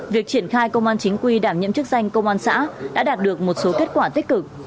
việc triển khai công an chính quy đảm nhiệm chức danh công an xã đã đạt được một số kết quả tích cực